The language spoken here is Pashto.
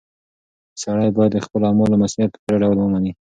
سړی باید د خپلو اعمالو مسؤلیت په پوره ډول ومني.